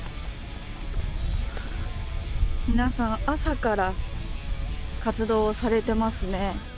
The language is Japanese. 皆さん、朝から活動されてますね。